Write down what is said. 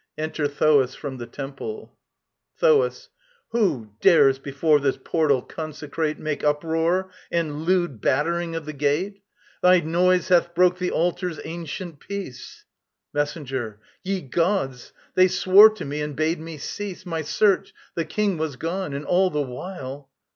[enter THAOS from the temple.] THOAS. Who dares before this portal consecrate Make uproar and lewd battering of the gate? Thy noise hath broke the Altar's ancient peace. MESSENGER. Ye Gods! They swore to me and bade me cease My search the King was gone. And all the while